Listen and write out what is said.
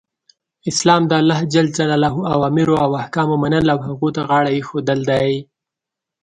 اسلام د الله ج اوامرو او احکامو منل او هغو ته غاړه ایښودل دی .